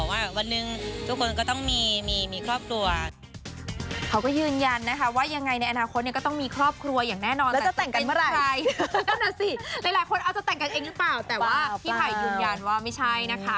แต่ว่าพี่ใหม่ยืนยันว่าไม่ใช่นะคะ